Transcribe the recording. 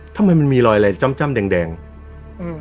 ทำไมมันมีรอยอะไรจ้ำจ้ำแดงแดงอืม